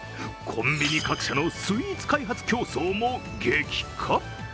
コンビニ各社のスイーツ開発競争も激化。